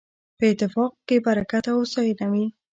په اتفاق کې برکت او هوساينه وي